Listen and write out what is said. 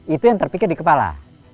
itu yang terpikir di kepala